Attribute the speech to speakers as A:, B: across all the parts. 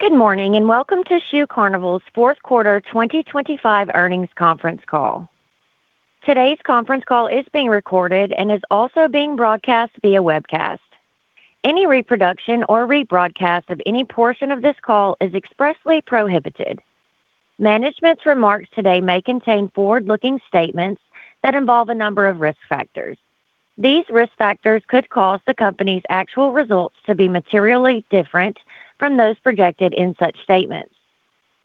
A: Good morning, and welcome to Shoe Carnival's fourth quarter 2025 earnings conference call. Today's conference call is being recorded and is also being broadcast via webcast. Any reproduction or rebroadcast of any portion of this call is expressly prohibited. Management's remarks today may contain forward-looking statements that involve a number of risk factors. These risk factors could cause the company's actual results to be materially different from those projected in such statements.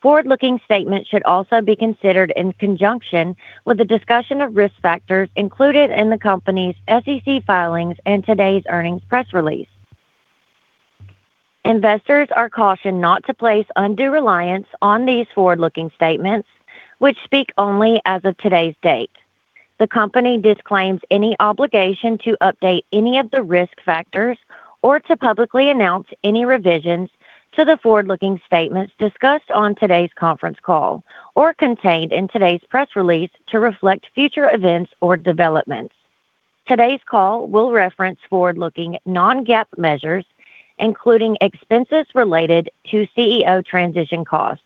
A: Forward-looking statements should also be considered in conjunction with the discussion of risk factors included in the company's SEC filings and today's earnings press release. Investors are cautioned not to place undue reliance on these forward-looking statements, which speak only as of today's date. The company disclaims any obligation to update any of the risk factors or to publicly announce any revisions to the forward-looking statements discussed on today's conference call or contained in today's press release to reflect future events or developments. Today's call will reference forward-looking non-GAAP measures, including expenses related to CEO transition costs.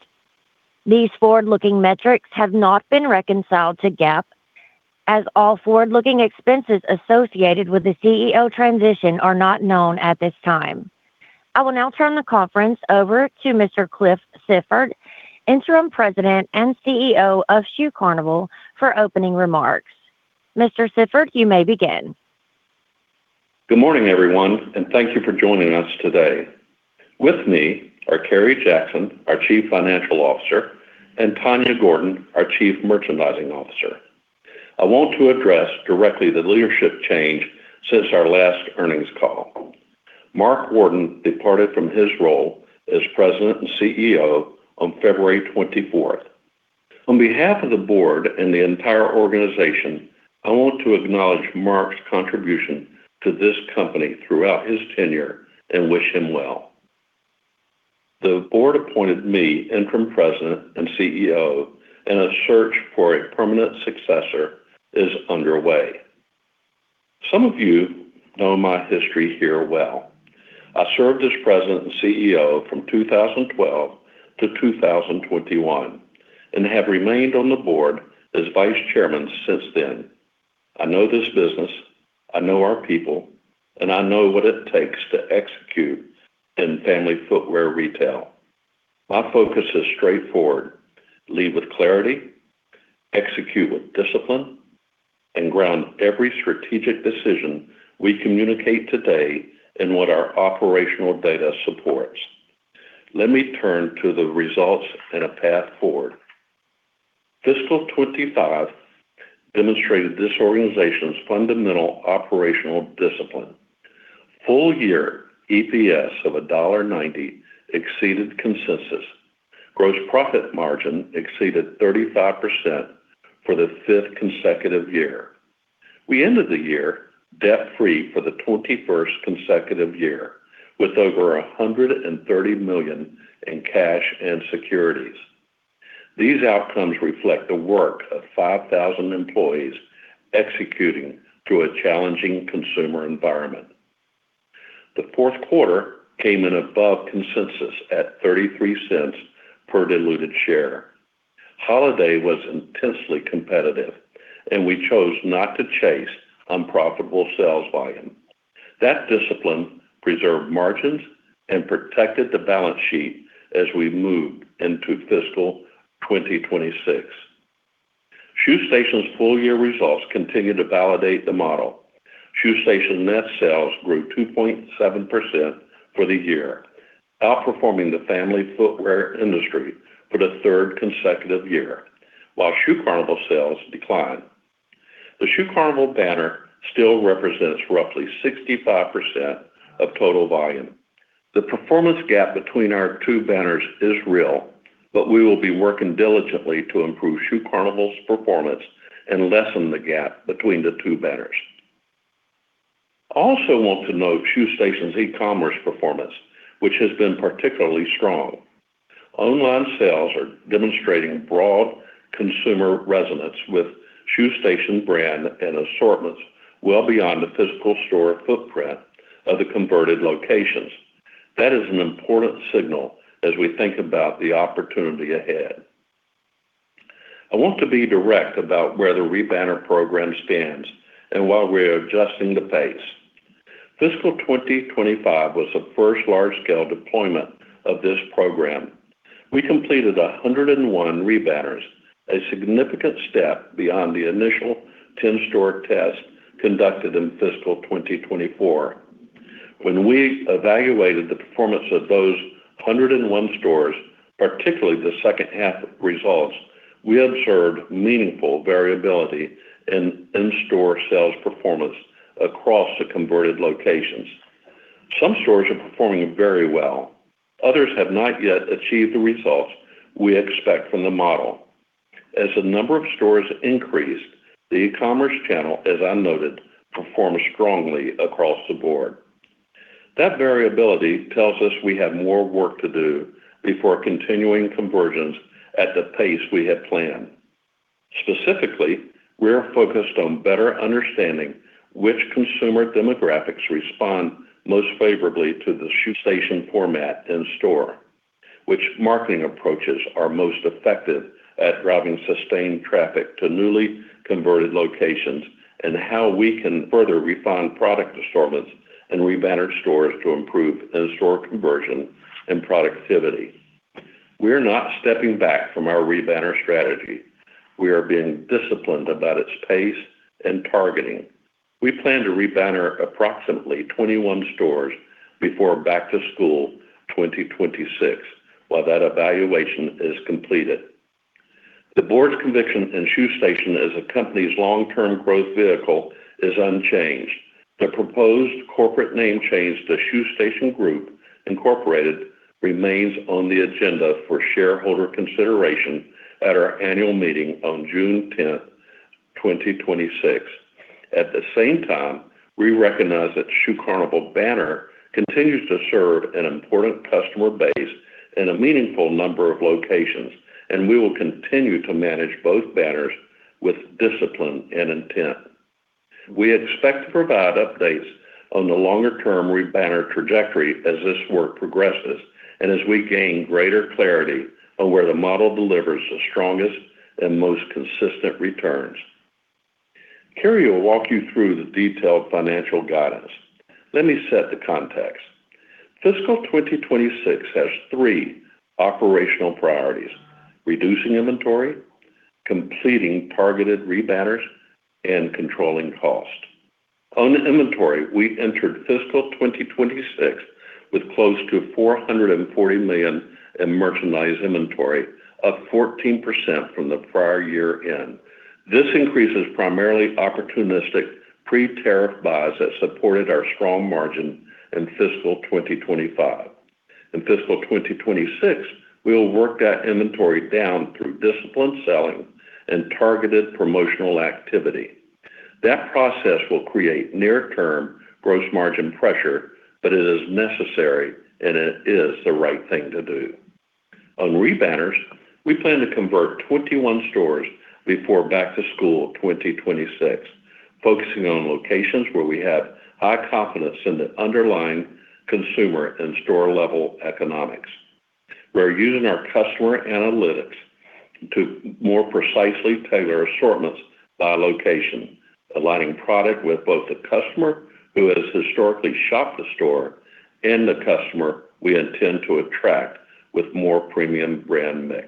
A: These forward-looking metrics have not been reconciled to GAAP as all forward-looking expenses associated with the CEO transition are not known at this time. I will now turn the conference over to Mr. Cliff Sifford, Interim President and CEO of Shoe Carnival, for opening remarks. Mr. Sifford, you may begin.
B: Good morning, everyone, and thank you for joining us today. With me are Kerry Jackson, our Chief Financial Officer, and Tanya E. Gordon, our Chief Merchandising Officer. I want to address directly the leadership change since our last earnings call. Mark Worden departed from his role as President and CEO on February 24. On behalf of the board and the entire organization, I want to acknowledge Mark's contribution to this company throughout his tenure and wish him well. The board appointed me Interim President and CEO, and a search for a permanent successor is underway. Some of you know my history here well. I served as President and CEO from 2012 to 2021 and have remained on the board as Vice Chairman since then. I know this business, I know our people, and I know what it takes to execute in family footwear retail. My focus is straightforward: lead with clarity, execute with discipline, and ground every strategic decision we communicate today in what our operational data supports. Let me turn to the results and a path forward. Fiscal 2025 demonstrated this organization's fundamental operational discipline. Full-year EPS of $1.90 exceeded consensus. Gross profit margin exceeded 35% for the fifth consecutive year. We ended the year debt-free for the 21st consecutive year with over $130 million in cash and securities. These outcomes reflect the work of 5,000 employees executing through a challenging consumer environment. The fourth quarter came in above consensus at $0.33 per diluted share. Holiday was intensely competitive, and we chose not to chase unprofitable sales volume. That discipline preserved margins and protected the balance sheet as we moved into Fiscal 2026. Shoe Station's full-year results continue to validate the model. Shoe Station net sales grew 2.7% for the year, outperforming the family footwear industry for the third consecutive year, while Shoe Carnival sales declined. The Shoe Carnival banner still represents roughly 65% of total volume. The performance gap between our two banners is real, but we will be working diligently to improve Shoe Carnival's performance and lessen the gap between the two banners. I also want to note Shoe Station's e-commerce performance, which has been particularly strong. Online sales are demonstrating broad consumer resonance with Shoe Station brand and assortments well beyond the physical store footprint of the converted locations. That is an important signal as we think about the opportunity ahead. I want to be direct about where the rebanner program stands and why we're adjusting the pace. Fiscal 2025 was the first large-scale deployment of this program. We completed 101 rebanners, a significant step beyond the initial 10-store test conducted in fiscal 2024. When we evaluated the performance of those 101 stores, particularly the second half results, we observed meaningful variability in in-store sales performance across the converted locations. Some stores are performing very well. Others have not yet achieved the results we expect from the model. As the number of stores increased, the e-commerce channel, as I noted, performed strongly across the board. That variability tells us we have more work to do before continuing conversions at the pace we had planned. Specifically, we are focused on better understanding which consumer demographics respond most favorably to the Shoe Station format in-store, which marketing approaches are most effective at driving sustained traffic to newly converted locations, and how we can further refine product assortments and rebanner stores to improve in-store conversion and productivity. We're not stepping back from our rebanner strategy. We are being disciplined about its pace and targeting. We plan to rebanner approximately 21 stores before back-to-school 2026 while that evaluation is completed. The board's conviction in Shoe Station as the company's long-term growth vehicle is unchanged. The proposed corporate name change to Shoe Station Group, Incorporated, remains on the agenda for shareholder consideration at our annual meeting on June 10, 2026. At the same time, we recognize that Shoe Carnival banner continues to serve an important customer base in a meaningful number of locations, and we will continue to manage both banners with discipline and intent. We expect to provide updates on the longer-term rebanner trajectory as this work progresses and as we gain greater clarity on where the model delivers the strongest and most consistent returns. Kerry will walk you through the detailed financial guidance. Let me set the context. Fiscal 2026 has three operational priorities: reducing inventory, completing targeted rebanners, and controlling cost. On inventory, we entered fiscal 2026 with close to $440 million in merchandise inventory, up 14% from the prior year end. This increase is primarily opportunistic pre-tariff buys that supported our strong margin in fiscal 2025. In fiscal 2026, we will work that inventory down through disciplined selling and targeted promotional activity. That process will create near-term gross margin pressure, but it is necessary, and it is the right thing to do. On rebanners, we plan to convert 21 stores before back to school 2026, focusing on locations where we have high confidence in the underlying consumer and store-level economics. We're using our customer analytics to more precisely tailor assortments by location, aligning product with both the customer who has historically shopped the store and the customer we intend to attract with more premium brand mix.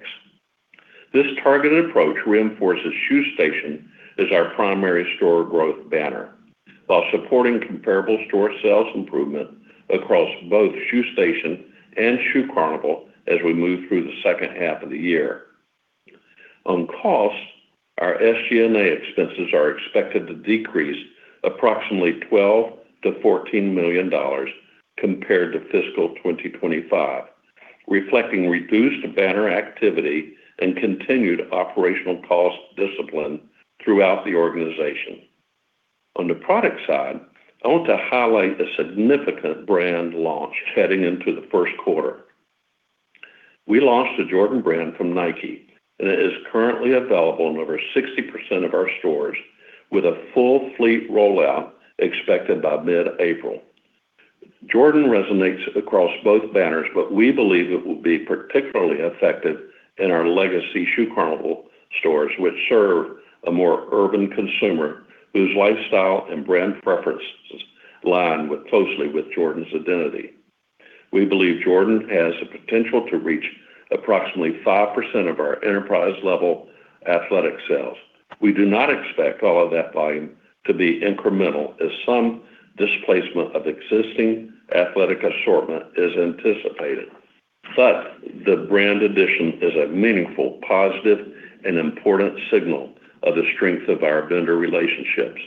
B: This targeted approach reinforces Shoe Station as our primary store growth banner while supporting comparable store sales improvement across both Shoe Station and Shoe Carnival as we move through the second half of the year. On cost, our SG&A expenses are expected to decrease approximately $12 million-$14 million compared to fiscal 2025, reflecting reduced banner activity and continued operational cost discipline throughout the organization. On the product side, I want to highlight a significant brand launch heading into the first quarter. We launched a Jordan Brand from Nike, and it is currently available in over 60% of our stores with a full fleet rollout expected by mid-April. Jordan resonates across both banners, but we believe it will be particularly effective in our legacy Shoe Carnival stores, which serve a more urban consumer whose lifestyle and brand preferences align closely with Jordan's identity. We believe Jordan has the potential to reach approximately 5% of our enterprise-level athletic sales. We do not expect all of that volume to be incremental as some displacement of existing athletic assortment is anticipated. The brand addition is a meaningful, positive, and important signal of the strength of our vendor relationships.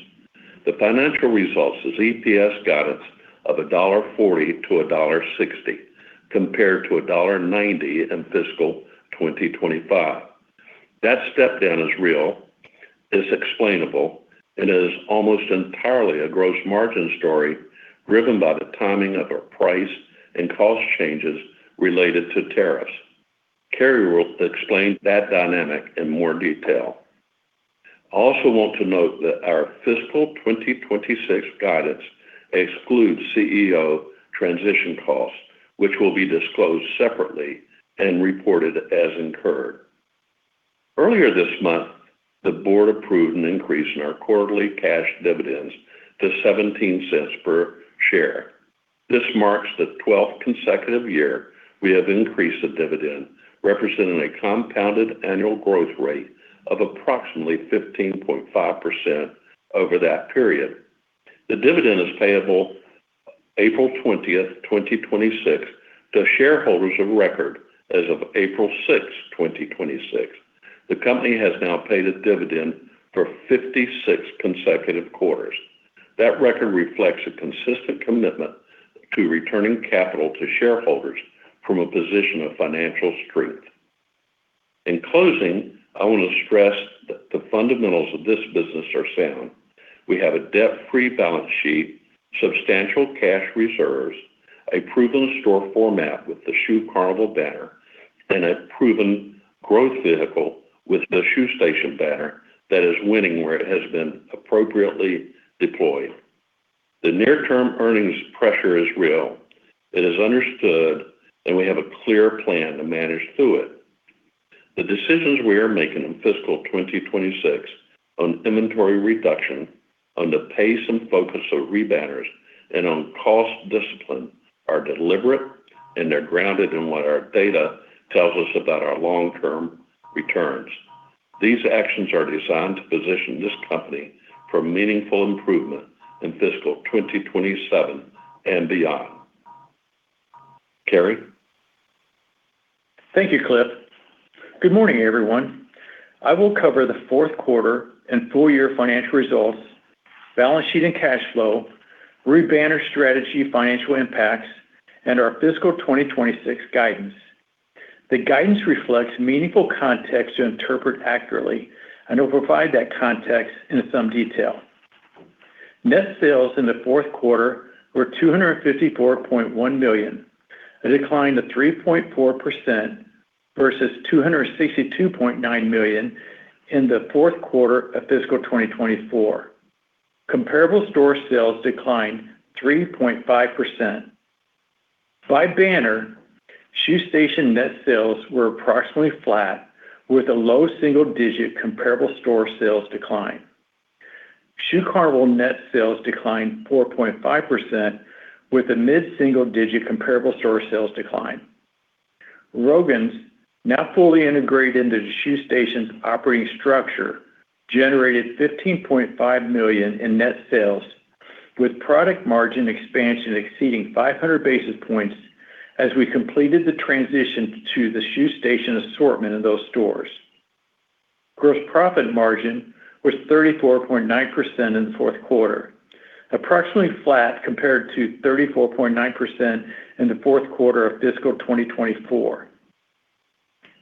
B: The financial results is EPS guidance of $1.40-$1.60 compared to $1.90 in fiscal 2025. That step down is real, is explainable, and is almost entirely a gross margin story driven by the timing of our price and cost changes related to tariffs. Kerry will explain that dynamic in more detail. I also want to note that our fiscal 2026 guidance excludes CEO transition costs, which will be disclosed separately and reported as incurred. Earlier this month, the board approved an increase in our quarterly cash dividends to $0.17 per share. This marks the twelfth consecutive year we have increased the dividend, representing a compounded annual growth rate of approximately 15.5% over that period. The dividend is payable April 20, 2026 to shareholders of record as of April 6, 2026. The company has now paid a dividend for 56 consecutive quarters. That record reflects a consistent commitment to returning capital to shareholders from a position of financial strength. In closing, I want to stress that the fundamentals of this business are sound. We have a debt-free balance sheet, substantial cash reserves, a proven store format with the Shoe Carnival banner, and a proven growth vehicle with the Shoe Station banner that is winning where it has been appropriately deployed. The near term earnings pressure is real, it is understood, and we have a clear plan to manage through it. The decisions we are making in fiscal 2026 on inventory reduction, on the pace and focus of rebanners, and on cost discipline are deliberate and they're grounded in what our data tells us about our long-term returns. These actions are designed to position this company for meaningful improvement in fiscal 2027 and beyond. Kerry?
C: Thank you, Cliff. Good morning, everyone. I will cover the fourth quarter and full year financial results, balance sheet and cash flow, rebanner strategy financial impacts, and our fiscal 2026 guidance. The guidance reflects meaningful context to interpret accurately, and I'll provide that context in some detail. Net sales in the fourth quarter were $254.1 million, a decline of 3.4% versus $262.9 million in the fourth quarter of fiscal 2024. Comparable store sales declined 3.5%. By banner, Shoe Station net sales were approximately flat with a low single-digit comparable store sales decline. Shoe Carnival net sales declined 4.5% with a mid-single digit comparable store sales decline. Rogan's Shoes now fully integrated into Shoe Station's operating structure, generated $15.5 million in net sales with product margin expansion exceeding 500 basis points as we completed the transition to the Shoe Station assortment in those stores. Gross profit margin was 34.9% in the fourth quarter, approximately flat compared to 34.9% in the fourth quarter of fiscal 2024.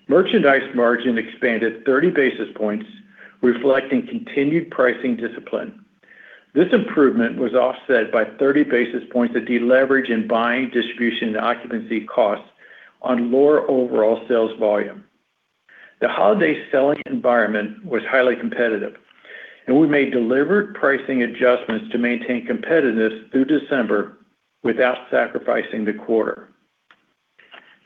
C: Merchandise margin expanded 30 basis points, reflecting continued pricing discipline. This improvement was offset by 30 basis points of deleverage in buying distribution and occupancy costs on lower overall sales volume. The holiday selling environment was highly competitive, and we made deliberate pricing adjustments to maintain competitiveness through December without sacrificing the quarter.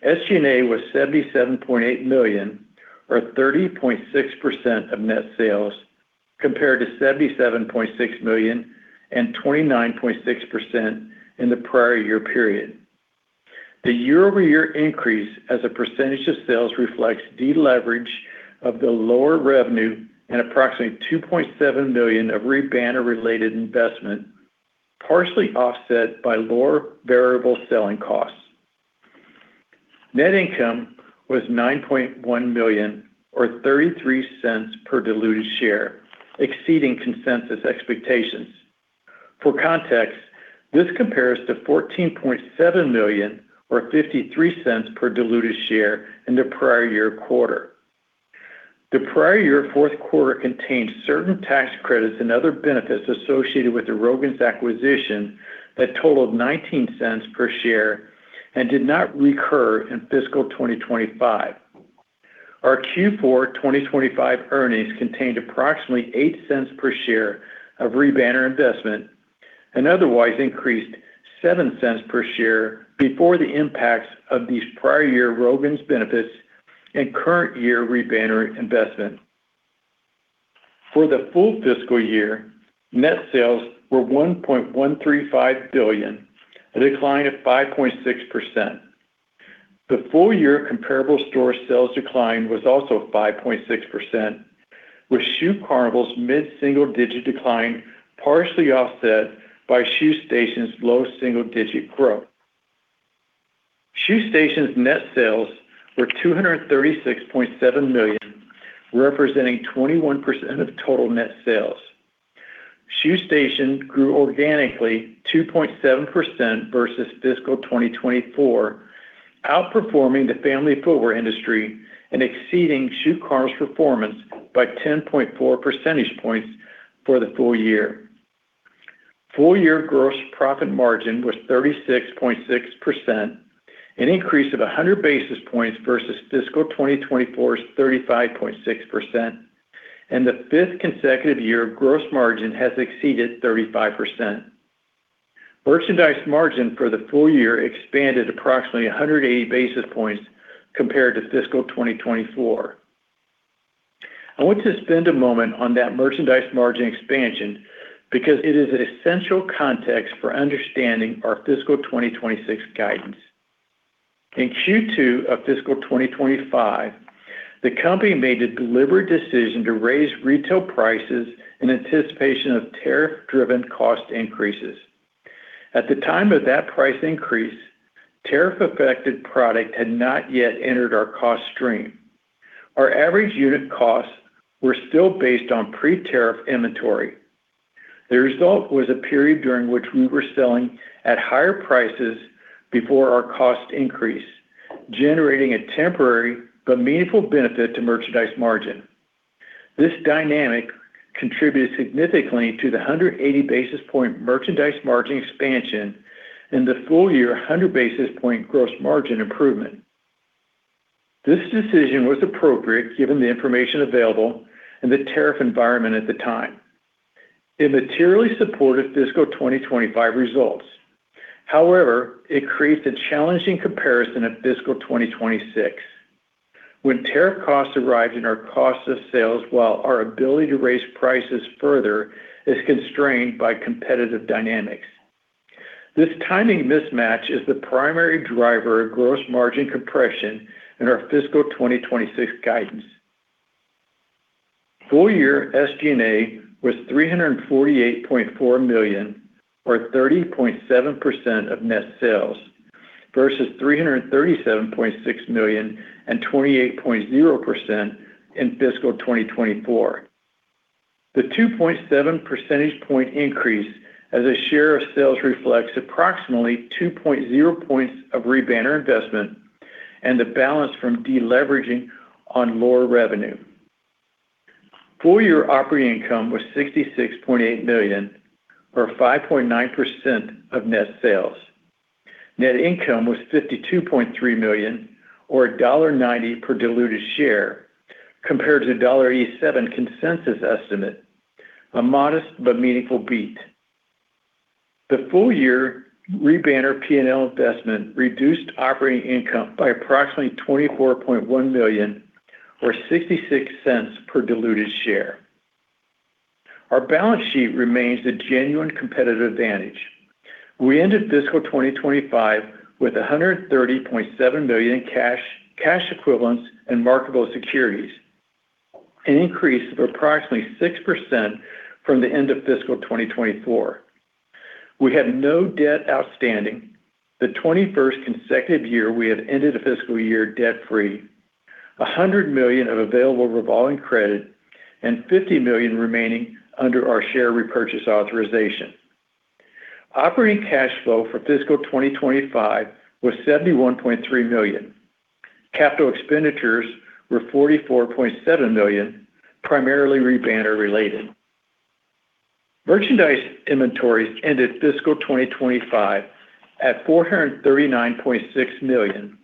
C: SG&A was $77.8 million or 30.6% of net sales, compared to $77.6 million and 29.6% in the prior year period. The year-over-year increase as a percentage of sales reflects deleverage of the lower revenue and approximately $2.7 million of rebanner related investment, partially offset by lower variable selling costs. Net income was $9.1 million or $0.33 per diluted share, exceeding consensus expectations. For context, this compares to $14.7 million or $0.53 per diluted share in the prior year quarter. The prior year fourth quarter contained certain tax credits and other benefits associated with the Rogan's acquisition that totaled $0.19 per share and did not recur in fiscal 2025. Our Q4 2025 earnings contained approximately $0.08 per share of rebanner investment and otherwise increased $0.07 per share before the impacts of these prior year Rogan's benefits and current year rebanner investment. For the full fiscal year, net sales were $1.135 billion, a decline of 5.6%. The full year comparable store sales decline was also 5.6%, with Shoe Carnival's mid-single digit decline partially offset by Shoe Station's low single-digit growth. Shoe Station's net sales were $236.7 million, representing 21% of total net sales. Shoe Station grew organically 2.7% versus fiscal 2024, outperforming the family footwear industry and exceeding Shoe Carnival's performance by 10.4 % points for the full year. Full year gross profit margin was 36.6%, an increase of 100 basis points versus fiscal 2024's 35.6%, and the fifth consecutive year of gross margin has exceeded 35%. Merchandise margin for the full year expanded approximately 180 basis points compared to fiscal 2024. I want to spend a moment on that merchandise margin expansion because it is an essential context for understanding our fiscal 2026 guidance. In Q2 of fiscal 2025, the company made a deliberate decision to raise retail prices in anticipation of tariff-driven cost increases. At the time of that price increase, tariff-affected product had not yet entered our cost stream. Our average unit costs were still based on pre-tariff inventory. The result was a period during which we were selling at higher prices before our cost increase. Generating a temporary but meaningful benefit to merchandise margin. This dynamic contributed significantly to the 180 basis point merchandise margin expansion and the full-year 100 basis point gross margin improvement. This decision was appropriate given the information available and the tariff environment at the time. It materially supported fiscal 2025 results. However, it creates a challenging comparison at fiscal 2026 when tariff costs arrive in our cost of sales while our ability to raise prices further is constrained by competitive dynamics. This timing mismatch is the primary driver of gross margin compression in our fiscal 2026 guidance. Full-year SG&A was $348.4 million, or 30.7% of net sales, versus $337.6 million and 28.0% in fiscal 2024. The 2.7 percentage point increase as a share of sales reflects approximately 2.0 points of rebanner investment and the balance from deleveraging on lower revenue. Full-year operating income was $66.8 million, or 5.9% of net sales. Net income was $52.3 million, or $1.90 per diluted share, compared to $1.87 consensus estimate, a modest but meaningful beat. The full-year rebanner P&L investment reduced operating income by approximately $24.1 million, or $0.66 per diluted share. Our balance sheet remains a genuine competitive advantage. We ended fiscal 2025 with $130.7 million cash equivalents, and marketable securities, an increase of approximately 6% from the end of fiscal 2024. We had no debt outstanding, the 21st consecutive year we have ended a fiscal year debt-free, $100 million of available revolving credit, and $50 million remaining under our share repurchase authorization. Operating cash flow for fiscal 2025 was $71.3 million. Capital expenditures were $44.7 million, primarily rebanner related. Merchandise inventories ended fiscal 2025 at $439.6 million,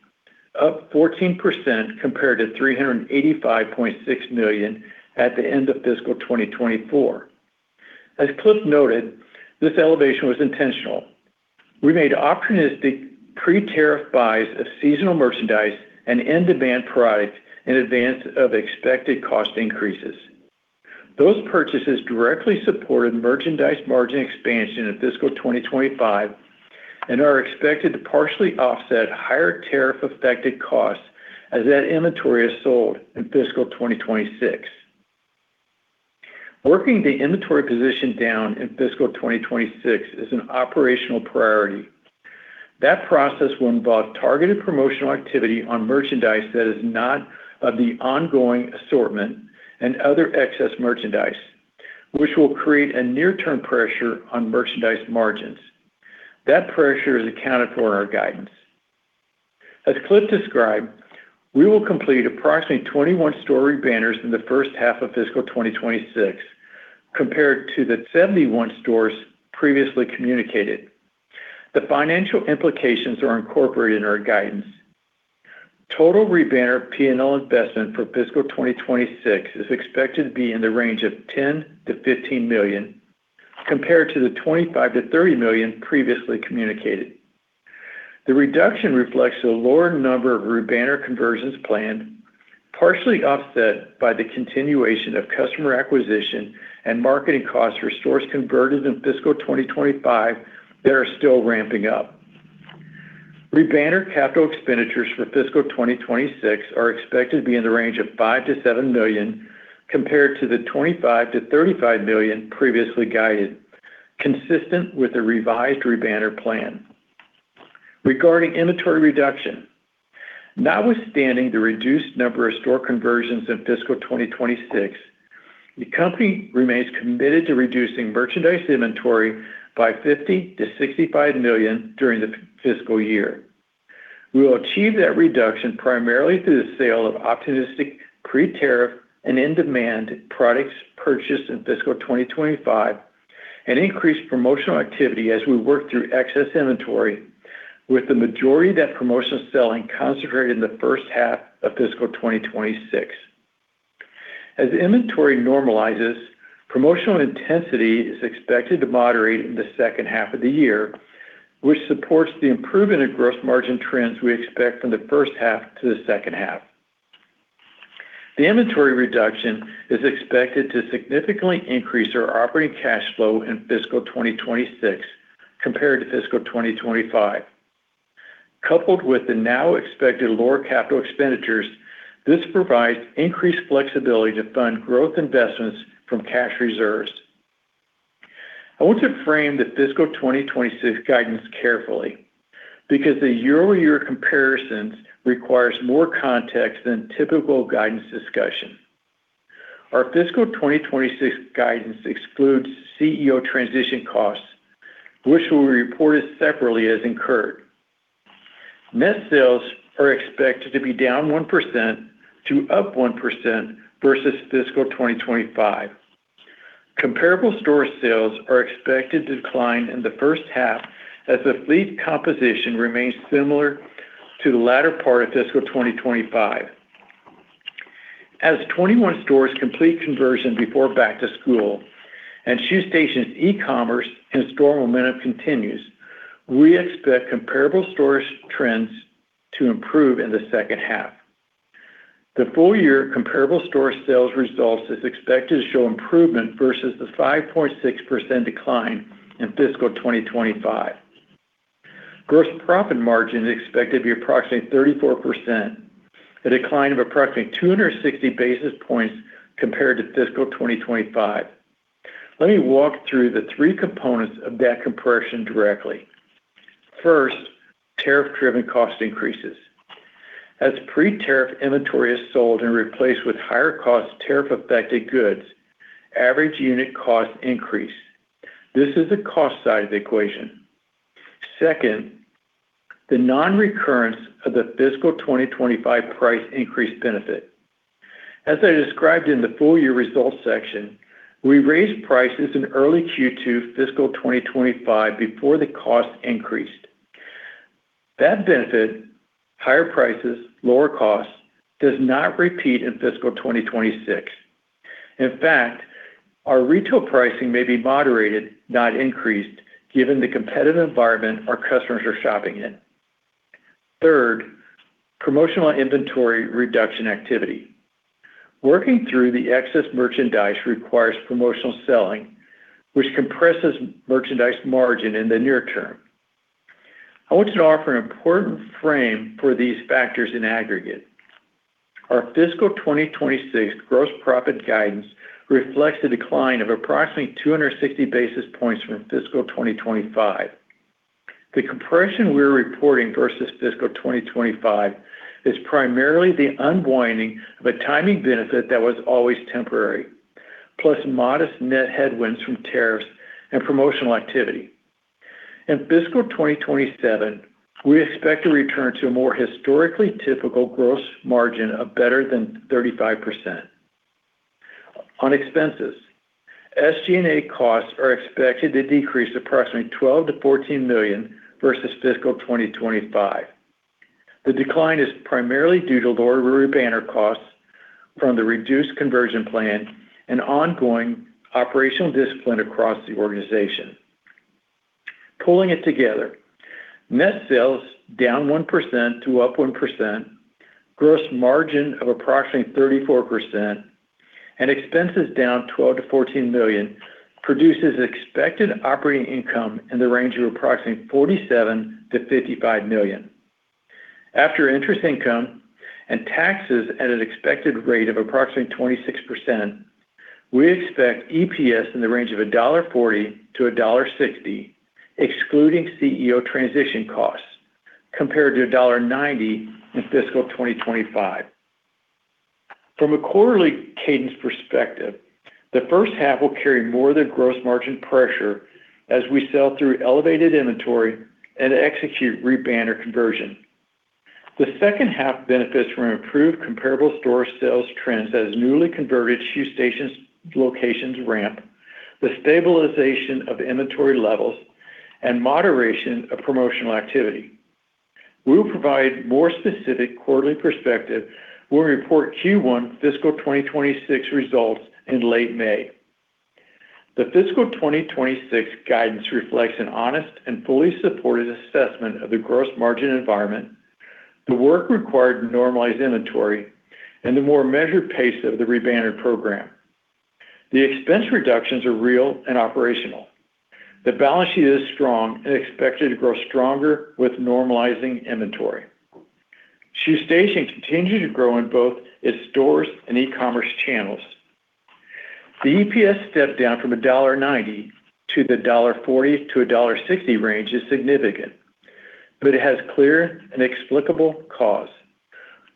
C: up 14% compared to $385.6 million at the end of fiscal 2024. As Cliff noted, this elevation was intentional. We made opportunistic pre-tariff buys of seasonal merchandise and in-demand products in advance of expected cost increases. Those purchases directly supported merchandise margin expansion in fiscal 2025 and are expected to partially offset higher tariff-affected costs as that inventory is sold in fiscal 2026. Working the inventory position down in fiscal 2026 is an operational priority. That process will involve targeted promotional activity on merchandise that is not of the ongoing assortment and other excess merchandise, which will create a near-term pressure on merchandise margins. That pressure is accounted for in our guidance. As Cliff described, we will complete approximately 21 store rebanners in the first half of fiscal 2026, compared to the 71 stores previously communicated. The financial implications are incorporated in our guidance. Total rebanner P&L investment for fiscal 2026 is expected to be in the range of $10 million-$15 million, compared to the $25 million-$30 million previously communicated. The reduction reflects the lower number of rebanner conversions planned, partially offset by the continuation of customer acquisition and marketing costs for stores converted in fiscal 2025 that are still ramping up. Rebanner capital expenditures for fiscal 2026 are expected to be in the range of $5 million-$7 million, compared to the $25 million-$35 million previously guided, consistent with the revised rebanner plan. Regarding inventory reduction, notwithstanding the reduced number of store conversions in fiscal 2026, the company remains committed to reducing merchandise inventory by $50 million-$65 million during the fiscal year. We will achieve that reduction primarily through the sale of opportunistic pre-tariff and in-demand products purchased in fiscal 2025 and increased promotional activity as we work through excess inventory, with the majority of that promotional selling concentrated in the first half of fiscal 2026. As inventory normalizes, promotional intensity is expected to moderate in the second half of the year, which supports the improvement in gross margin trends we expect from the first half to the second half. The inventory reduction is expected to significantly increase our operating cash flow in fiscal 2026 compared to fiscal 2025. Coupled with the now expected lower capital expenditures, this provides increased flexibility to fund growth investments from cash reserves. I want to frame the fiscal 2026 guidance carefully because the year-over-year comparisons requires more context than typical guidance discussion. Our fiscal 2026 guidance excludes CEO transition costs, which will be reported separately as incurred. Net sales are expected to be down 1% to up 1% versus fiscal 2025. Comparable store sales are expected to decline in the first half as the fleet composition remains similar to the latter part of fiscal 2025. As 21 stores complete conversion before back to school and Shoe Station's e-commerce and store momentum continues, we expect comparable stores trends to improve in the second half. The full year comparable store sales results is expected to show improvement versus the 5.6% decline in fiscal 2025. Gross profit margin is expected to be approximately 34%, a decline of approximately 260 basis points compared to fiscal 2025. Let me walk through the 3 components of that compression directly. First, tariff-driven cost increases. As pre-tariff inventory is sold and replaced with higher cost tariff-affected goods, average unit cost increases. This is the cost side of the equation. Second, the non-recurrence of the fiscal 2025 price increase benefit. As I described in the full year results section, we raised prices in early Q2 fiscal 2025 before the cost increased. That benefit, higher prices, lower costs, does not repeat in fiscal 2026. In fact, our retail pricing may be moderated, not increased, given the competitive environment our customers are shopping in. Third, promotional inventory reduction activity. Working through the excess merchandise requires promotional selling, which compresses merchandise margin in the near term. I want to offer an important frame for these factors in aggregate. Our fiscal 2026 gross profit guidance reflects the decline of approximately 260 basis points from fiscal 2025. The compression we're reporting versus fiscal 2025 is primarily the unwinding of a timing benefit that was always temporary, plus modest net headwinds from tariffs and promotional activity. In fiscal 2027, we expect a return to a more historically typical gross margin of better than 35%. On expenses, SG&A costs are expected to decrease approximately $12 million-$14 million versus fiscal 2025. The decline is primarily due to lower rebanner costs from the reduced conversion plan and ongoing operational discipline across the organization. Pulling it together, net sales down 1% to up 1%, gross margin of approximately 34%, and expenses down $12 million-$14 million produces expected operating income in the range of approximately $47 million-$55 million. After interest income and taxes at an expected rate of approximately 26%, we expect EPS in the range of $1.40-$1.60, excluding CEO transition costs, compared to $1.90 in fiscal 2025. From a quarterly cadence perspective, the first half will carry more of the gross margin pressure as we sell through elevated inventory and execute rebanner conversion. The second half benefits from improved comparable store sales trends as newly converted Shoe Station locations ramp, the stabilization of inventory levels, and moderation of promotional activity. We will provide more specific quarterly perspective when we report Q1 fiscal 2026 results in late May. The fiscal 2026 guidance reflects an honest and fully supported assessment of the gross margin environment, the work required to normalize inventory, and the more measured pace of the rebanner program. The expense reductions are real and operational. The balance sheet is strong and expected to grow stronger with normalizing inventory. Shoe Station continues to grow in both its stores and e-commerce channels. The EPS step down from $1.90 to the $1.40-$1.60 range is significant, but it has clear and explicable cause.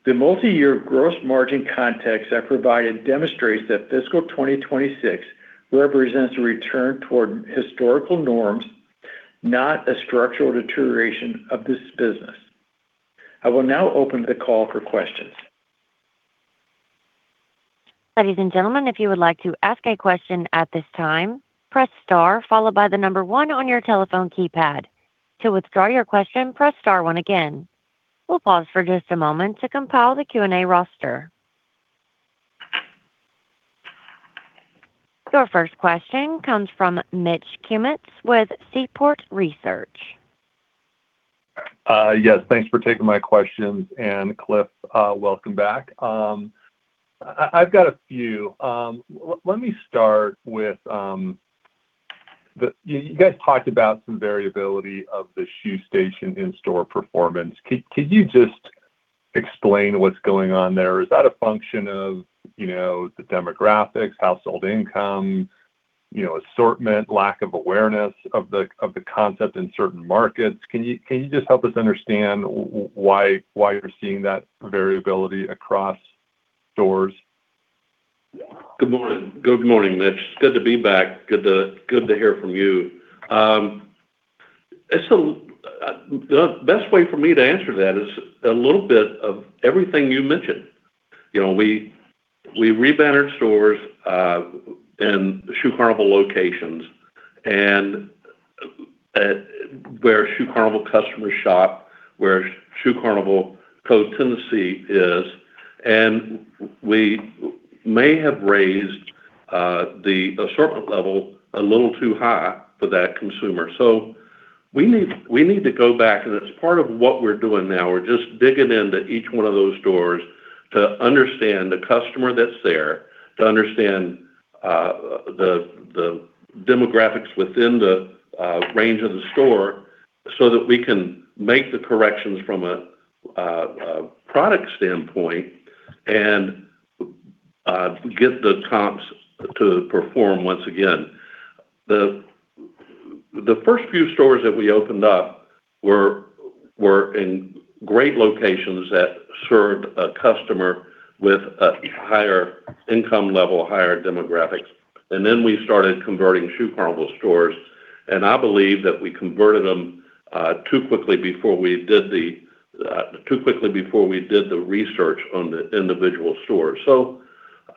C: The multi-year gross margin context I provided demonstrates that fiscal 2026 represents a return toward historical norms, not a structural deterioration of this business. I will now open the call for questions.
A: Ladies and gentlemen, if you would like to ask a question at this time, press star followed by the number one on your telephone keypad. To withdraw your question, press star one again. We'll pause for just a moment to compile the Q&A roster. Your first question comes from Mitch Kummetz with Seaport Research.
D: Yes, thanks for taking my questions. Cliff, welcome back. I've got a few. Let me start with, you guys talked about some variability of the Shoe Station in-store performance. Could you just explain what's going on there? Is that a function of, you know, the demographics, household income? You know, assortment, lack of awareness of the concept in certain markets. Can you just help us understand why you're seeing that variability across stores?
B: Good morning. Good morning, Mitch. Good to be back. Good to hear from you. The best way for me to answer that is a little bit of everything you mentioned. You know, we re-bannered stores in Shoe Carnival locations and where Shoe Carnival customers shop, where Shoe Carnival co-tenancy is, and we may have raised the assortment level a little too high for that consumer. We need to go back, and it's part of what we're doing now. We're just digging into each one of those stores to understand the customer that's there, to understand the demographics within the range of the store so that we can make the corrections from a product standpoint and get the comps to perform once again. The first few stores that we opened up were in great locations that served a customer with a higher income level, higher demographics. Then we started converting Shoe Carnival stores, and I believe that we converted them too quickly before we did the research on the individual stores.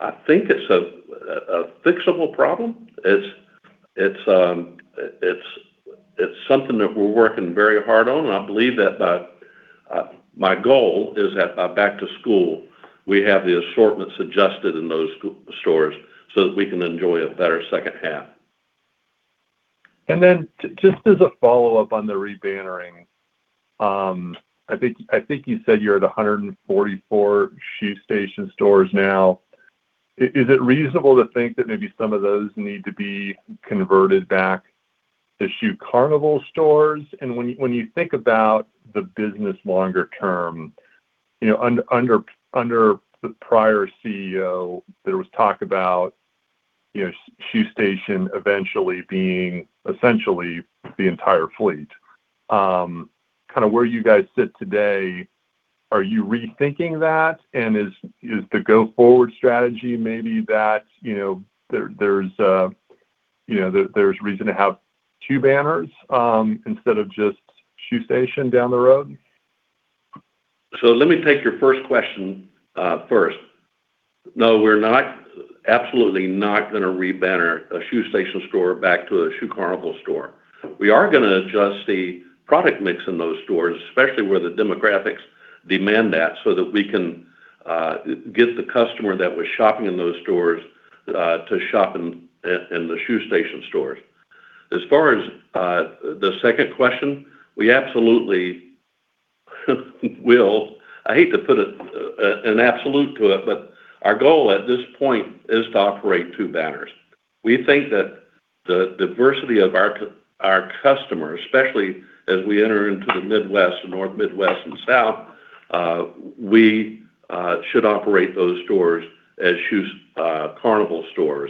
B: I think it's a fixable problem. It's something that we're working very hard on. I believe that my goal is at back to school, we have the assortments adjusted in those stores so that we can enjoy a better second half.
D: Just as a follow-up on the re-bannering, I think you said you're at 144 Shoe Station stores now. Is it reasonable to think that maybe some of those need to be converted back to Shoe Carnival stores? When you think about the business longer term, you know, under the prior CEO, there was talk about, you know, Shoe Station eventually being essentially the entire fleet. Kind of where you guys sit today, are you rethinking that? Is the go-forward strategy maybe that, you know, there's reason to have two banners, instead of just Shoe Station down the road?
B: Let me take your first question first. No, we're not, absolutely not gonna re-banner a Shoe Station store back to a Shoe Carnival store. We are gonna adjust the product mix in those stores, especially where the demographics demand that, so that we can get the customer that was shopping in those stores to shop in the Shoe Station stores. As far as the second question, we absolutely will. I hate to put it an absolute to it, but our goal at this point is to operate two banners. We think that the diversity of our customers, especially as we enter into the Midwest and North Midwest and South, we should operate those stores as Shoe Carnival stores.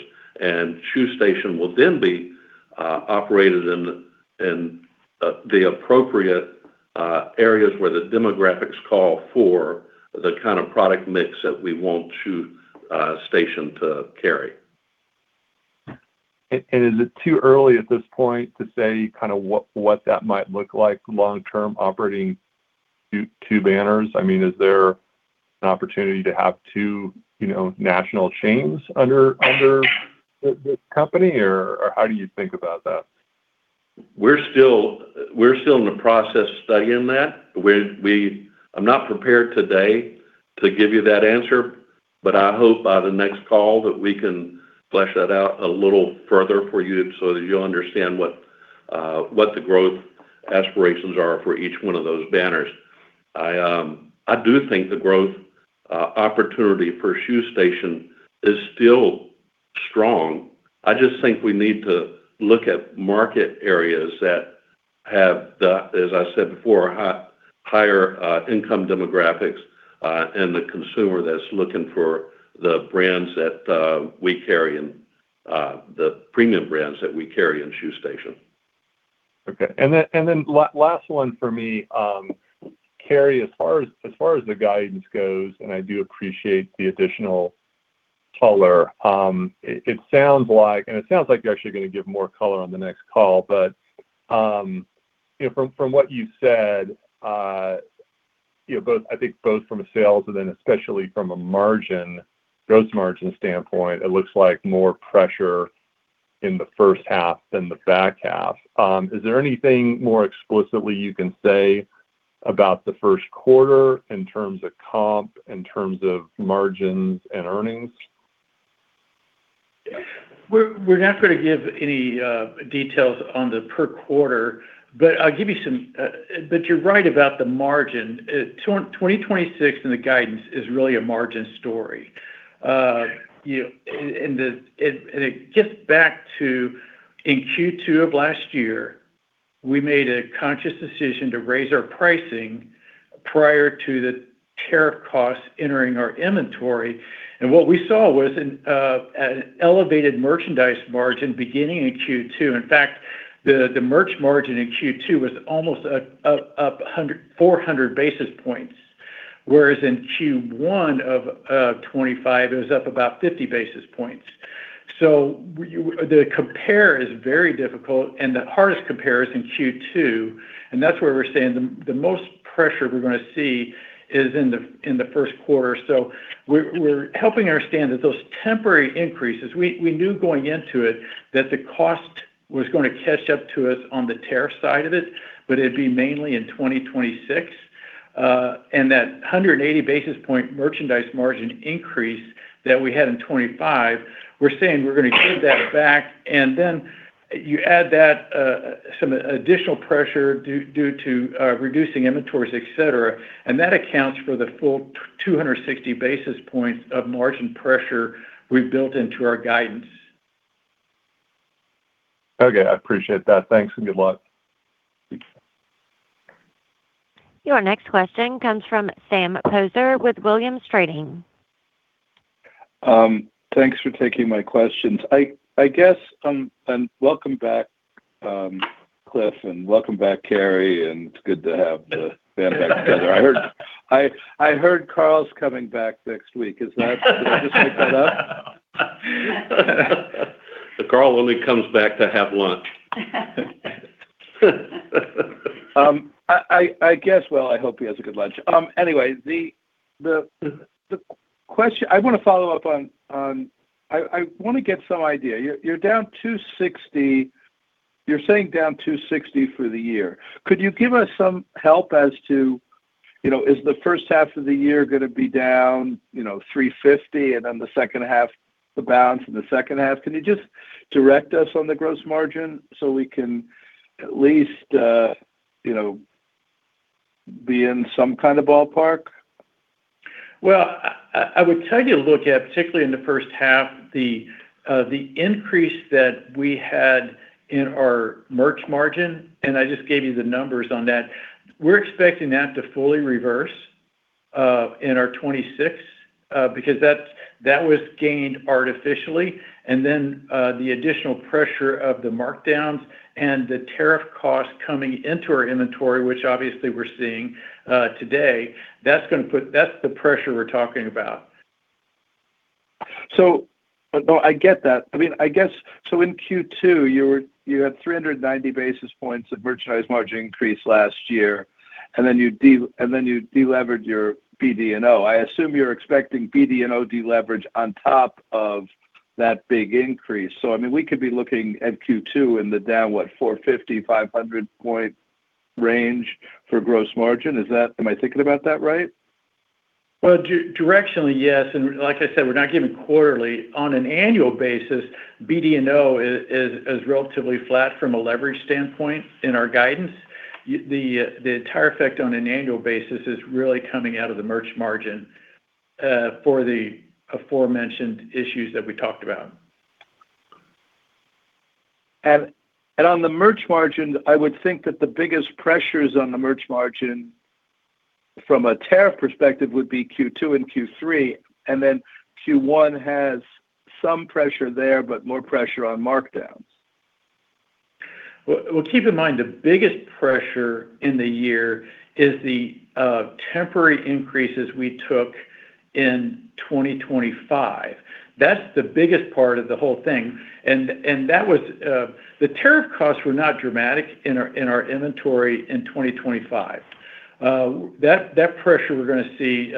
B: Shoe Station will then be operated in the appropriate areas where the demographics call for the kind of product mix that we want Shoe Station to carry.
D: Is it too early at this point to say kind of what that might look like long term operating two banners? I mean, is there an opportunity to have two, you know, national chains under the company, or how do you think about that?
B: We're still in the process studying that. I'm not prepared today to give you that answer, but I hope by the next call that we can flesh that out a little further for you so that you'll understand what the growth aspirations are for each one of those banners. I do think the growth opportunity for Shoe Station is still strong. I just think we need to look at market areas that have, as I said before, higher income demographics, and the consumer that's looking for the brands that we carry and the premium brands that we carry in Shoe Station.
D: Okay. Then last one for me, Kerry, as far as the guidance goes, and I do appreciate the additional color. It sounds like you're actually gonna give more color on the next call. You know, from what you said, you know, I think both from a sales and then especially from a margin, gross margin standpoint, it looks like more pressure in the first half than the back half. Is there anything more explicitly you can say about the first quarter in terms of comp, in terms of margins and earnings?
C: We're not going to give any details on the per quarter, but I'll give you some. But you're right about the margin. 2026 in the guidance is really a margin story. You know, and it gets back to in Q2 of last year. We made a conscious decision to raise our pricing prior to the tariff costs entering our inventory. What we saw was an elevated merchandise margin beginning in Q2. In fact, the merch margin in Q2 was almost up four hundred basis points, whereas in Q1 of 2025, it was up about 50 basis points. So the compare is very difficult and the hardest compare is in Q2, and that's where we're saying the most pressure we're gonna see is in the first quarter. We're holding our stance that those temporary increases, we knew going into it that the cost was gonna catch up to us on the tariff side of it, but it'd be mainly in 2026. That 180 basis point merchandise margin increase that we had in 2025, we're saying we're gonna give that back, and then you add that, some additional pressure due to reducing inventories, et cetera. That accounts for the full 260 basis points of margin pressure we've built into our guidance.
D: Okay, I appreciate that. Thanks, and good luck.
A: Your next question comes from Sam Poser with Williams Trading.
E: Thanks for taking my questions. I guess and welcome back, Cliff, and welcome back, Kerry, and it's good to have the band back together. I heard Carl's coming back next week. Is that? Did I just make that up?
B: Carl only comes back to have lunch.
E: I guess, well, I hope he has a good lunch. Anyway, the question I wanna get some idea. You're down 260. You're saying down 260 for the year. Could you give us some help as to, you know, is the first half of the year gonna be down, you know, 350 and then the second half, the bounce in the second half? Can you just direct us on the gross margin so we can at least, you know, be in some kind of ballpark?
C: Well, I would tell you to look at, particularly in the first half, the increase that we had in our merch margin, and I just gave you the numbers on that. We're expecting that to fully reverse in our 2026 because that was gained artificially. Then, the additional pressure of the markdowns and the tariff costs coming into our inventory, which obviously we're seeing today, that's the pressure we're talking about.
E: No, I get that. I mean, I guess, in Q2, you were, you had 390 basis points of merchandise margin increase last year, and then you deleveraged your BD&O. I assume you're expecting BD&O deleverage on top of that big increase. I mean, we could be looking at Q2 in the down, what, 450-500 point range for gross margin. Is that? Am I thinking about that right?
C: Well, directionally, yes. Like I said, we're not giving quarterly. On an annual basis, BD&O is relatively flat from a leverage standpoint in our guidance. The tariff effect on an annual basis is really coming out of the merch margin for the aforementioned issues that we talked about.
E: On the merch margin, I would think that the biggest pressures on the merch margin from a tariff perspective would be Q2 and Q3, and then Q1 has some pressure there, but more pressure on markdowns.
C: Well, keep in mind, the biggest pressure in the year is the temporary increases we took in 2025. That's the biggest part of the whole thing. That was the tariff costs were not dramatic in our inventory in 2025. That pressure we're gonna see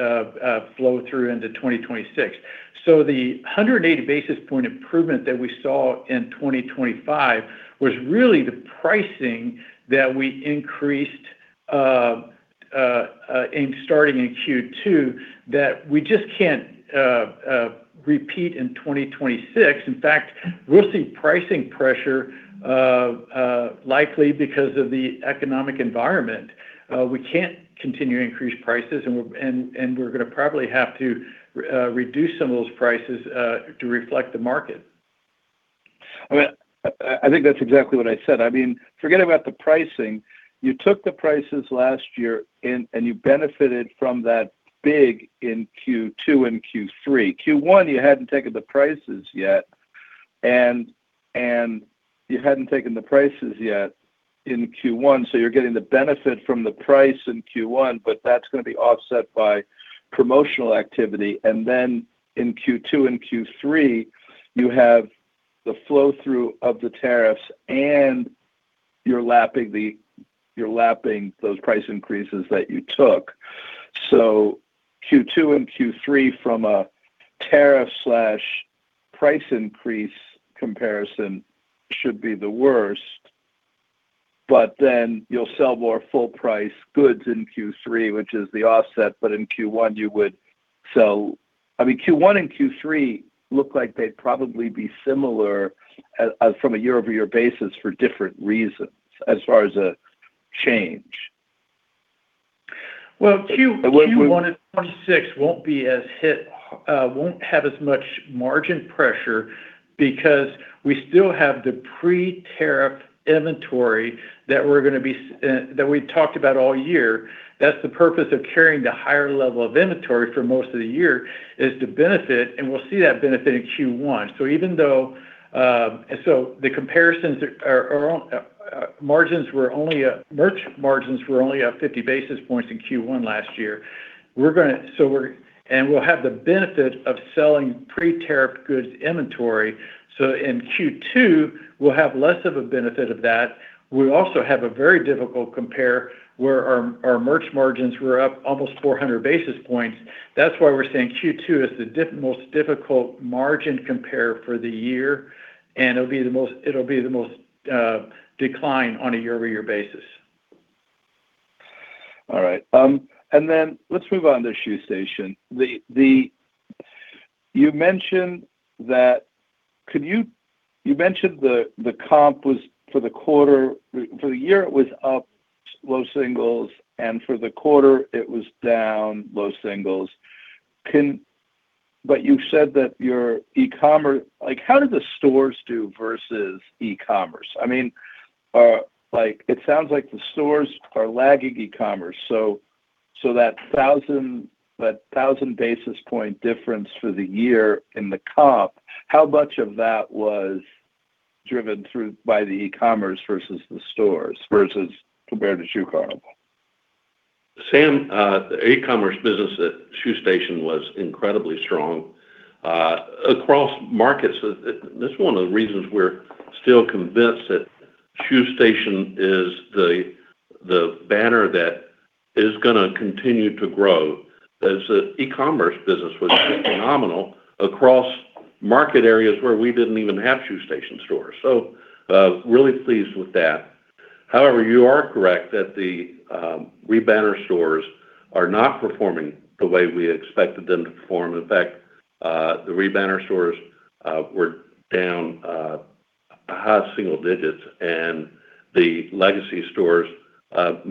C: flow through into 2026. The 180 basis point improvement that we saw in 2025 was really the pricing that we increased starting in Q2 that we just can't repeat in 2026. In fact, we'll see pricing pressure likely because of the economic environment. We can't continue to increase prices and we're gonna probably have to reduce some of those prices to reflect the market.
E: I mean, I think that's exactly what I said. I mean, forget about the pricing. You took the prices last year and you benefited from that big in Q2 and Q3. Q1, you hadn't taken the prices yet, so you're getting the benefit from the price in Q1, but that's gonna be offset by promotional activity. Then in Q2 and Q3, you have the flow-through of the tariffs, and you're lapping those price increases that you took. Q2 and Q3 from a tariff/price increase comparison should be the worst, but then you'll sell more full price goods in Q3, which is the offset, but in Q1, you would... I mean, Q1 and Q3 look like they'd probably be similar as from a year-over-year basis for different reasons as far as a change.
C: Well, Q1 and 2026 won't have as much margin pressure because we still have the pre-tariff inventory that we talked about all year. That's the purpose of carrying the higher level of inventory for most of the year is to benefit, and we'll see that benefit in Q1. Even though the comparisons are, merch margins were only up 50 basis points in Q1 last year. We'll have the benefit of selling pre-tariff goods inventory. In Q2, we'll have less of a benefit of that. We also have a very difficult compare where our merch margins were up almost 400 basis points. That's why we're saying Q2 is the most difficult margin comp year for the year, and it'll be the most decline on a year-over-year basis.
E: All right. Let's move on to Shoe Station. You mentioned the comp for the year, it was up low singles, and for the quarter, it was down low singles. You said that your e-commerce. Like, how did the stores do versus e-commerce? I mean, like, it sounds like the stores are lagging e-commerce. That 1,000 basis point difference for the year in the comp, how much of that was driven through by the e-commerce versus the stores versus compared to Shoe Carnival?
B: Sam, the e-commerce business at Shoe Station was incredibly strong across markets. This is one of the reasons we're still convinced that Shoe Station is the banner that is gonna continue to grow as the e-commerce business was just phenomenal across market areas where we didn't even have Shoe Station stores. Really pleased with that. However, you are correct that the re-banner stores are not performing the way we expected them to perform. In fact, the re-banner stores were down high single digits, and the legacy stores down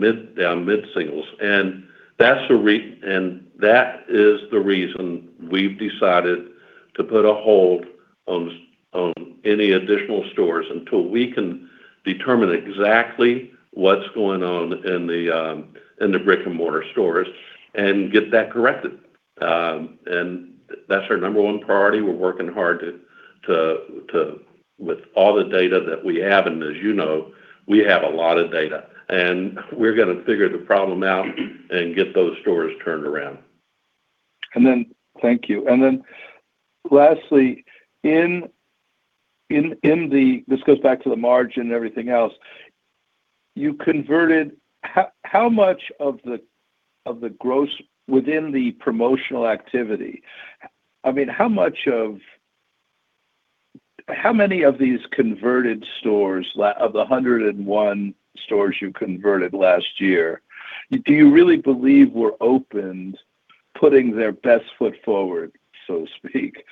B: mid-singles. That is the reason we've decided to put a hold on any additional stores until we can determine exactly what's going on in the brick-and-mortar stores and get that corrected. That's our number one priority. We're working hard to with all the data that we have, and as you know, we have a lot of data. We're gonna figure the problem out and get those stores turned around.
E: Thank you. Lastly, in the this goes back to the margin and everything else. You converted how much of the gross within the promotional activity. I mean, how many of these converted stores of the 101 stores you converted last year do you really believe were opened putting their best foot forward, so to speak,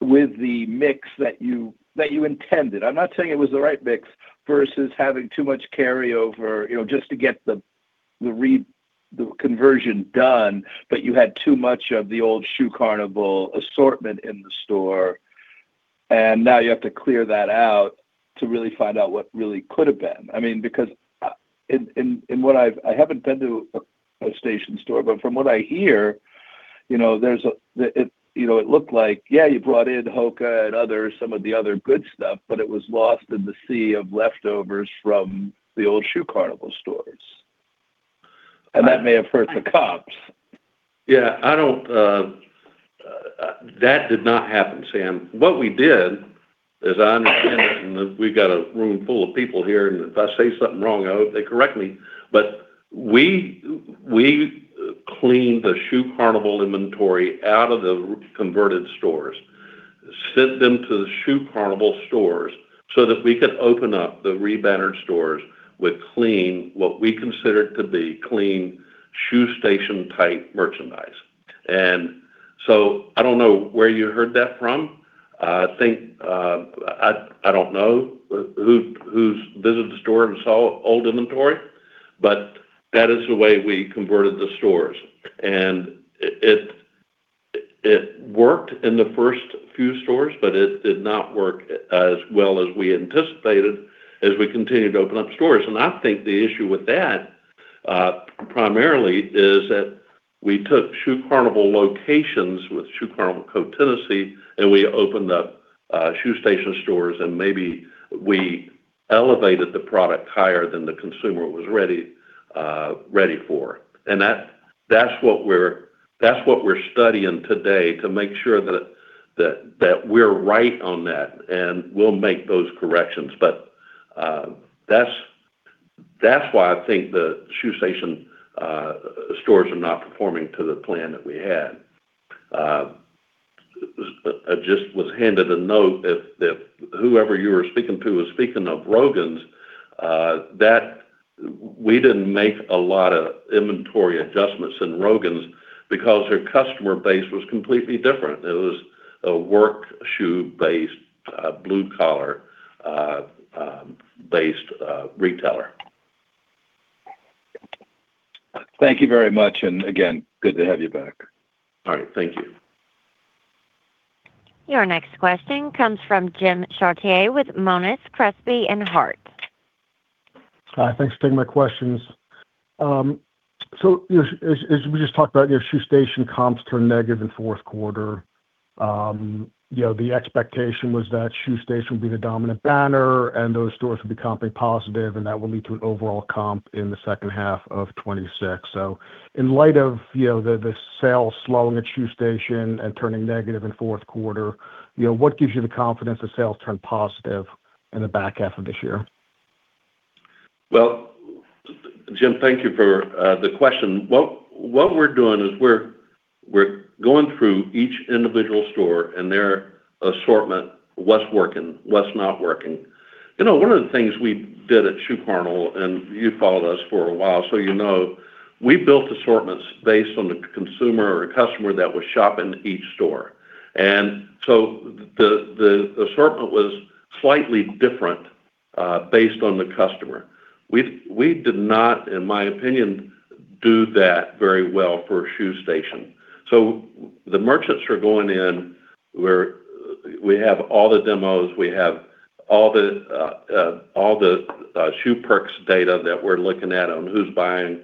E: with the mix that you intended? I'm not saying it was the right mix versus having too much carryover, you know, just to get the conversion done, but you had too much of the old Shoe Carnival assortment in the store, and now you have to clear that out to really find out what really could have been. I mean, because in what I haven't been to a Shoe Station store, but from what I hear, you know, it looked like, yeah, you brought in HOKA and others, some of the other good stuff, but it was lost in the sea of leftovers from the old Shoe Carnival stores. That may have hurt the comps.
B: Yeah, I don't. That did not happen, Sam. What we did, as I understand it, and we've got a room full of people here, and if I say something wrong, I hope they correct me, but we cleaned the Shoe Carnival inventory out of the converted stores, sent them to the Shoe Carnival stores, so that we could open up the re-bannered stores with clean, what we consider to be clean, Shoe Station type merchandise. I don't know where you heard that from. I think, I don't know who visited the store and saw old inventory, but that is the way we converted the stores. It worked in the first few stores, but it did not work as well as we anticipated as we continued to open up stores. I think the issue with that primarily is that we took Shoe Carnival locations with co-tenancy, and we opened up Shoe Station stores, and maybe we elevated the product higher than the consumer was ready for. That's what we're studying today to make sure that we're right on that, and we'll make those corrections. That's why I think the Shoe Station stores are not performing to the plan that we had. I just was handed a note if whoever you were speaking to was speaking of Rogan's, that we didn't make a lot of inventory adjustments in Rogan's because their customer base was completely different. It was a work shoe-based, blue-collar-based retailer.
E: Thank you very much, and again, good to have you back.
B: All right. Thank you.
A: Your next question comes from Jim Chartier with Monness, Crespi, Hardt & Co.
F: Hi, thanks for taking my questions. As we just talked about, you know, Shoe Station comps turned negative in fourth quarter. You know, the expectation was that Shoe Station would be the dominant banner and those stores would be comping positive, and that will lead to an overall comp in the second half of 2026. In light of, you know, the sales slowing at Shoe Station and turning negative in fourth quarter, you know, what gives you the confidence the sales turn positive in the back half of this year?
B: Well, Jim, thank you for the question. What we're doing is we're going through each individual store and their assortment, what's working, what's not working. You know, one of the things we did at Shoe Carnival, and you followed us for a while, so you know, we built assortments based on the consumer or customer that was shopping each store. The assortment was slightly different based on the customer. We did not, in my opinion, do that very well for Shoe Station. The merchants are going in where we have all the demos, we have all the Shoe Perks data that we're looking at on who's buying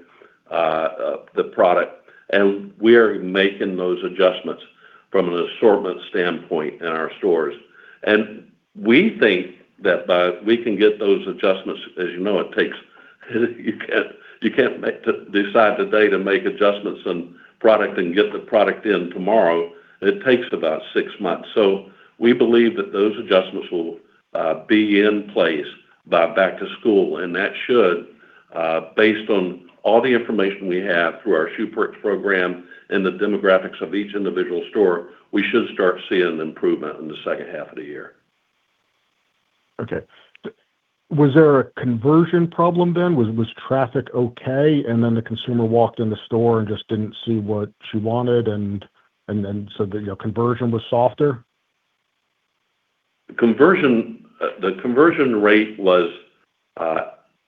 B: the product, and we are making those adjustments from an assortment standpoint in our stores. We think that we can get those adjustments. As you know, it takes. You can't decide today to make adjustments on product and get the product in tomorrow. It takes about six months. We believe that those adjustments will be in place by back to school, and that should, based on all the information we have through our Shoe Perks program and the demographics of each individual store, we should start seeing an improvement in the second half of the year.
F: Okay. Was there a conversion problem then? Was traffic okay, and then the consumer walked in the store and just didn't see what she wanted and then so the, you know, conversion was softer?
B: Conversion, the conversion rate was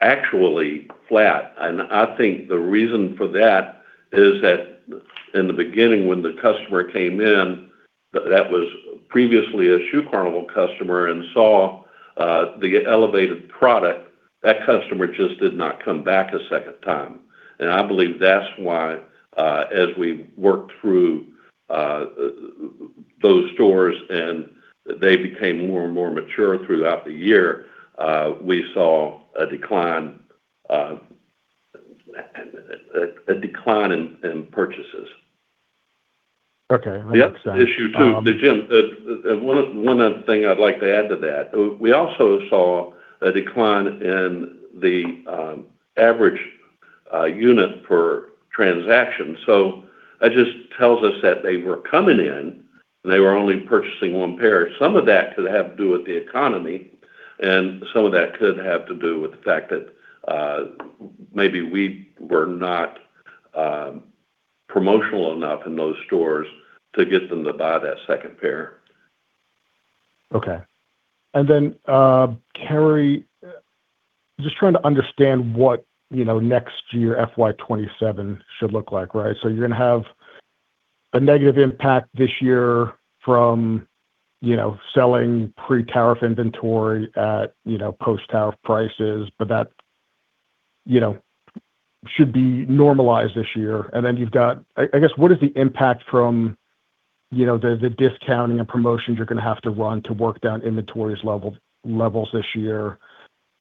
B: actually flat. I think the reason for that is that in the beginning, when the customer came in, that was previously a Shoe Carnival customer and saw the elevated product, that customer just did not come back a second time. I believe that's why, as we worked through those stores and they became more and more mature throughout the year, we saw a decline in purchases.
F: Okay. 100%.
B: The other issue too, Jim, one other thing I'd like to add to that, we also saw a decline in the average unit per transaction. That just tells us that they were coming in and they were only purchasing one pair. Some of that could have to do with the economy, and some of that could have to do with the fact that maybe we were not promotional enough in those stores to get them to buy that second pair.
F: Okay. Then, Kerry, just trying to understand what, you know, next year FY 2027 should look like, right? You're gonna have a negative impact this year from, you know, selling pre-tariff inventory at, you know, post-tariff prices, but that, you know, should be normalized this year. You've got, I guess, what is the impact from, you know, the discounting and promotions you're gonna have to run to work down inventory levels this year?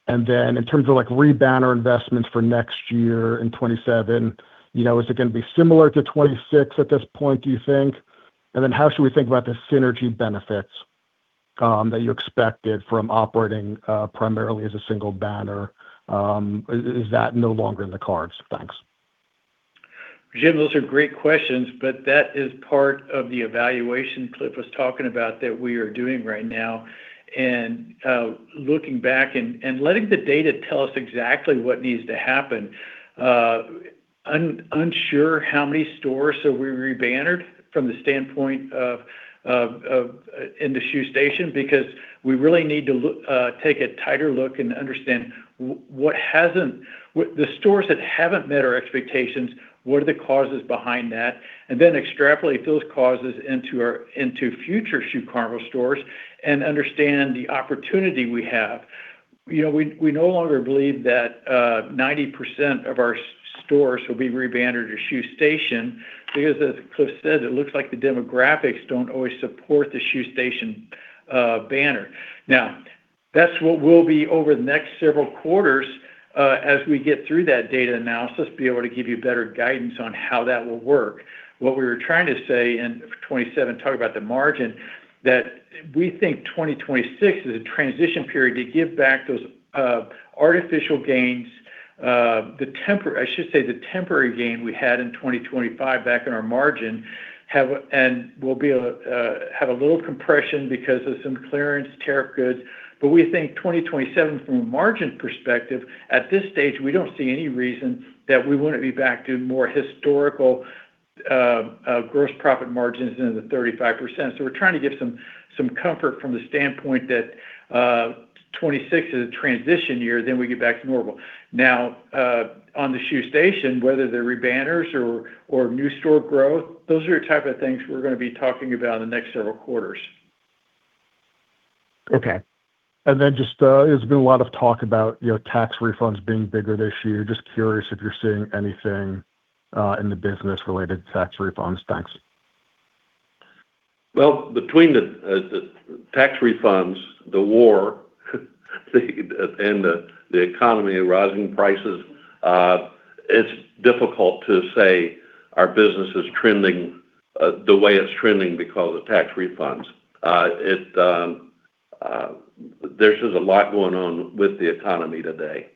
F: In terms of like rebanner investments for next year in 2027, you know, is it gonna be similar to 2026 at this point, do you think? How should we think about the synergy benefits that you expected from operating primarily as a single banner? Is that no longer in the cards? Thanks.
C: Jim, those are great questions, but that is part of the evaluation Cliff was talking about that we are doing right now and looking back and letting the data tell us exactly what needs to happen. Unsure how many stores are we rebannered from the standpoint of of in the Shoe Station, because we really need to take a tighter look and understand the stores that haven't met our expectations, what are the causes behind that? Then extrapolate those causes into future Shoe Carnival stores and understand the opportunity we have. You know, we no longer believe that 90% of our stores will be rebannered as Shoe Station because as Cliff said, it looks like the demographics don't always support the Shoe Station banner. Now, that's what we'll be over the next several quarters, as we get through that data analysis, be able to give you better guidance on how that will work. What we were trying to say in 2027, talking about the margin, that we think 2026 is a transition period to give back those artificial gains, the temporary gain we had in 2025 back in our margin. We'll be able to have a little compression because of some clearance tariff goods. We think 2027 from a margin perspective, at this stage, we don't see any reason that we wouldn't be back to more historical gross profit margins into the 35%. We're trying to give some comfort from the standpoint that 2026 is a transition year, then we get back to normal. Now, on the Shoe Station, whether they're rebanners or new store growth, those are the type of things we're gonna be talking about in the next several quarters.
F: Okay. Just, there's been a lot of talk about, you know, tax refunds being bigger this year. Just curious if you're seeing anything in the business related to tax refunds. Thanks.
B: Well, between the tax refunds, the war, and the economy and rising prices, it's difficult to say our business is trending the way it's trending because of tax refunds. There's just a lot going on with the economy today.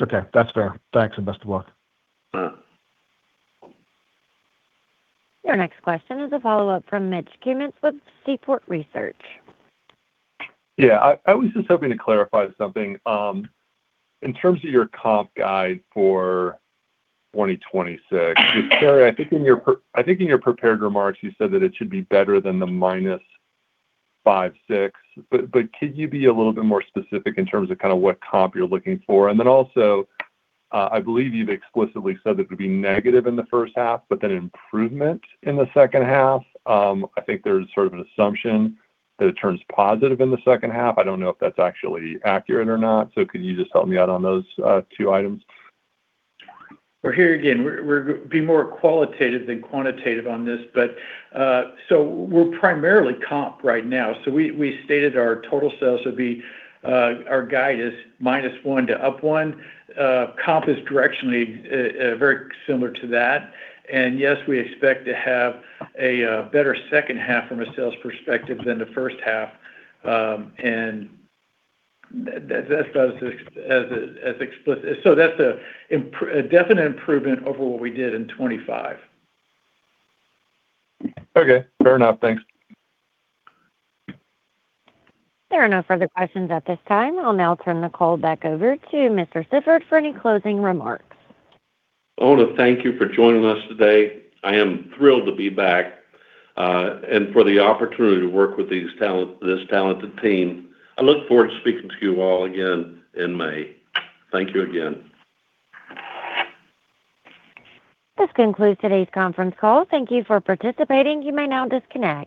F: Okay. That's fair. Thanks, and best of luck.
C: Uh.
A: Your next question is a follow-up from Mitch Kummetz with Seaport Research.
D: Yeah, I was just hoping to clarify something. In terms of your comp guide for 2026. Kerry, I think in your prepared remarks, you said that it should be better than the -5%-6%. But could you be a little bit more specific in terms of kinda what comp you're looking for? Also, I believe you've explicitly said that it would be negative in the first half, but then improvement in the second half. I think there's sort of an assumption that it turns positive in the second half. I don't know if that's actually accurate or not. Could you just help me out on those two items?
C: Well, here again, we're going to be more qualitative than quantitative on this. We're primarily comps right now. We stated our total sales would be. Our guide is -1% to +1%. Comps is directionally very similar to that. Yes, we expect to have a better second half from a sales perspective than the first half, and that is explicit. That's a definite improvement over what we did in 25.
D: Okay. Fair enough. Thanks.
A: There are no further questions at this time. I'll now turn the call back over to Mr. Sifford for any closing remarks.
B: I wanna thank you for joining us today. I am thrilled to be back, and for the opportunity to work with this talented team. I look forward to speaking to you all again in May. Thank you again.
A: This concludes today's conference call. Thank you for participating. You may now disconnect.